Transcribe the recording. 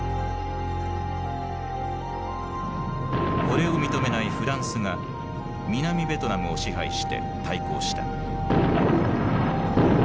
これを認めないフランスが南ベトナムを支配して対抗した。